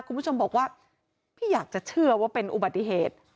คุณผู้ชมบอกว่าพี่อยากจะเชื่อว่าเป็นอุบัติเหตุ